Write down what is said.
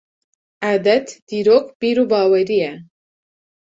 Edet, dîrok, bîr û bawerî ye.